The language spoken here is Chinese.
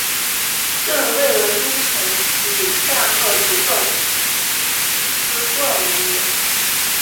朕未闻诸臣以善恶直奏斯断人也！